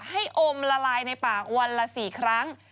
ให้อมละลายในป่าวันละ๔ครั้ง